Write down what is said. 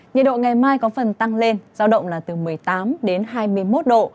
nhiệt độ ngày mai có phần tăng lên giao động là từ một mươi tám đến hai mươi một độ